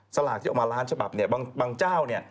สลากที่ออกมาล้านฉบับเนี่ยบางเจ้าเนี่ย